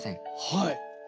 はい。